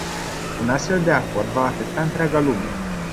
Un astfel de acord va afecta întreaga lume.